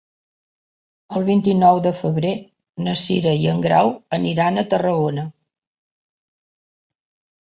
El vint-i-nou de febrer na Cira i en Grau aniran a Tarragona.